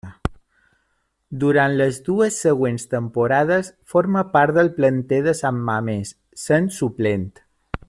Durant les dues següents temporades forma part del planter de San Mamés, sent suplent.